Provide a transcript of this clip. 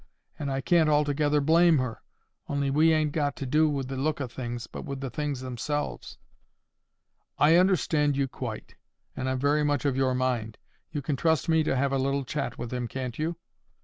And I can't altogether blame her, only we ain't got to do with the look o' things, but with the things themselves." "I understand you quite, and I'm very much of your mind. You can trust me to have a little chat with him, can't you?"